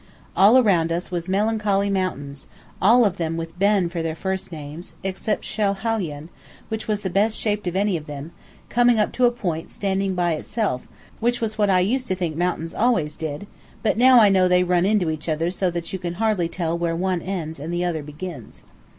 All around us was melancholy mountains, all of them with "Ben" for their first names, except Schiehallion, which was the best shaped of any of them, coming up to a point and standing by itself, which was what I used to think mountains always did; but now I know they run into each other so that you can hardly tell where one ends and the other begins.